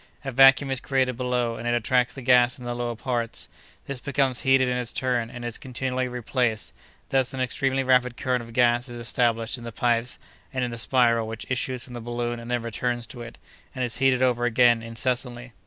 A vacuum is created below, and it attracts the gas in the lower parts; this becomes heated in its turn, and is continually replaced; thus, an extremely rapid current of gas is established in the pipes and in the spiral, which issues from the balloon and then returns to it, and is heated over again, incessantly.